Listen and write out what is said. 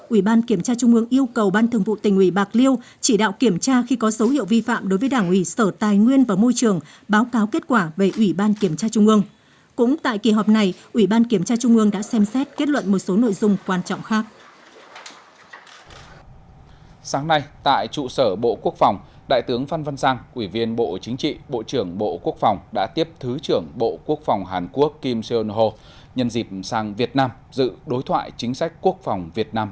ủy ban kiểm tra trung ương yêu cầu ban thường vụ tình ủy và các đồng chí thường trực tình ủy và các đồng chí thường trực tình ủy và các đồng chí thường trực tình ủy và các đồng chí thường trực tình ủy và các đồng chí thường trực tình ủy và các đồng chí thường trực tình ủy và các đồng chí thường trực tình ủy và các đồng chí thường trực tình ủy và các đồng chí thường trực tình ủy và các đồng chí thường trực tình ủy và các đồng chí thường trực tình ủy và các đồng chí thường trực tình ủy và các đồng chí thường trực tình ủy và các